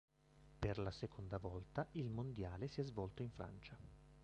Per la seconda volta il Mondiale si è svolto in Francia.